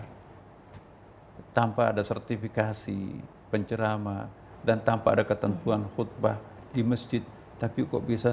hai tanpa ada sertifikasi pencerama dan tanpa ada ketentuan khutbah di masjid tapi kok bisa